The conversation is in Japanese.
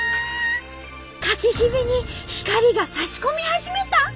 かきひびに光がさし込み始めた。